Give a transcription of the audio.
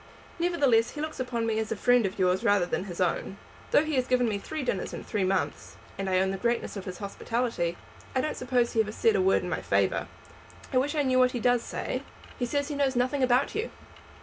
Nevertheless, he looks upon me as a friend of yours rather than his own. Though he has given me three dinners in three months, and I own the greatness of his hospitality, I don't suppose he ever said a word in my favour. I wish I knew what he does say." "He says he knows nothing about you."